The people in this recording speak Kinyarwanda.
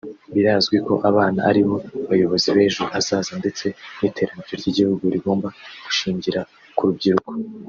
Birazwi ko abana aribo bayobozi b’ejo hazaza ndetse n’iterambere ry’ igihugu rigomba gushingira ku rubyiruko